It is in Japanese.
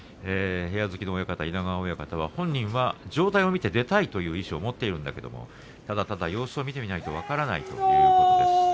部屋付きの親方、稲川親方は本人は状態を見て出たいという意志を持っているんだけれどただただ様子を見てみないと分からないということです。